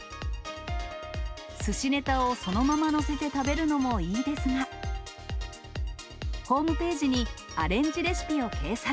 すしネタをそのまま載せて食べるのもいいですが、ホームページにアレンジレシピを掲載。